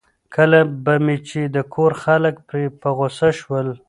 کله به چې د کور خلک پرې په غوسه شول.